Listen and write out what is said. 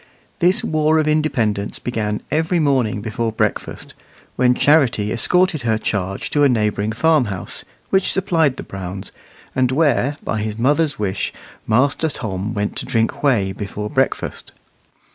This war of independence began every morning before breakfast, when Charity escorted her charge to a neighbouring farmhouse, which supplied the Browns, and where, by his mother's wish, Master Tom went to drink whey before breakfast.